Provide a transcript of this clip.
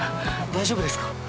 大丈夫ですか？